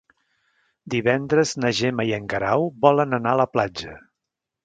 Divendres na Gemma i en Guerau volen anar a la platja.